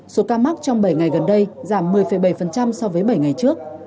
số ca mắc trong bảy ngày gần đây giảm một mươi bảy so với bảy ngày trước